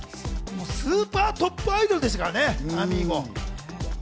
スーパートップアイドルでしたからね、あみーゴ。